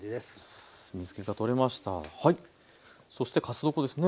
そしてかす床ですね。